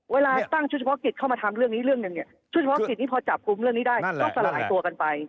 เวลาตั้งชุธพกริจเข้ามาทำเรื่องนี้ชุธพกริจพอจับคุมได้ก็สลายตัวกันไป